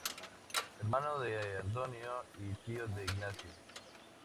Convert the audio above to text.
Hermano de Antonio y tío de Ignacio.